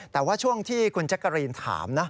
แต่ว่าช่วงที่คุณแจ๊กกะรีนถามนะ